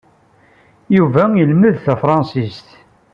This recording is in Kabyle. Yuba ilemmed Tafṛansist.